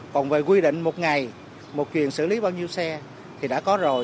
còn về quy định một ngày một chuyện xử lý bao nhiêu xe thì đã có rồi